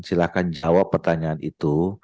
silahkan jawab pertanyaan itu